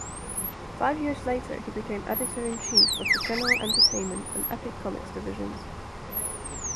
Five years later, he became editor-in-chief of the "General Entertainment" and Epic Comics divisions.